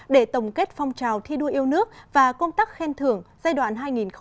để tổng kết phong trào thi đua yêu nước và công tác khen thưởng giai đoạn hai nghìn một mươi năm hai nghìn hai mươi